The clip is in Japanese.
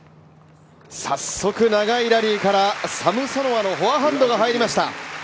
早速、長いラリーからサムソノワのフォアハンドが入りました。